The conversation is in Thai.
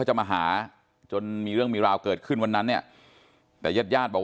จะมาหาจนมีเรื่องมีราวเกิดขึ้นวันนั้นเนี่ยแต่ญาติญาติบอก